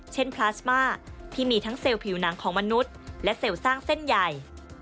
พลาสมาที่มีทั้งเซลล์ผิวหนังของมนุษย์และเซลล์สร้างเส้นใหญ่